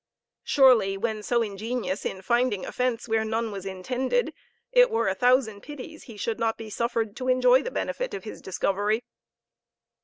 Surely, when so ingenious in finding offence where none was intended, it were a thousand pities he should not be suffered to enjoy the benefit of his discovery.